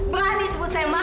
berani sebut saya makhluk